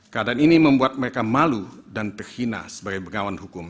keadaan ini membuat mereka malu dan terhina sebagai bengawan hukum